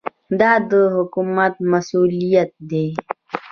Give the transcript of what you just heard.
دا د حکومت مسوولیت دی.